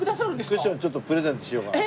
クッションちょっとプレゼントしようかなと。